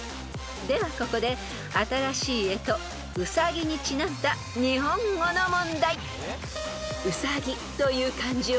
［ではここで新しい干支うさぎにちなんだ日本語の問題］